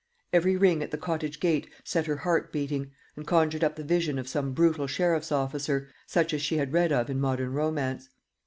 Every ring at the cottage gate set her heart beating, and conjured up the vision of some brutal sheriff's officer, such as she had read of in modern romance.